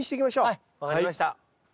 はい分かりました。